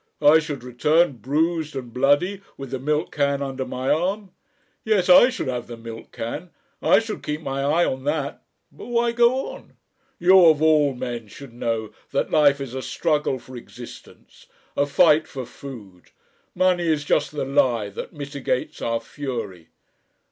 I should return, bruised and bloody, with the milk can under my arm. Yes, I should have the milk can I should keep my eye on that.... But why go on? You of all men should know that life is a struggle for existence, a fight for food. Money is just the lie that mitigates our fury."